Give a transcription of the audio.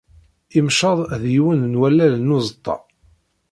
Imceḍ d yiwen n wallal n uẓeṭṭa.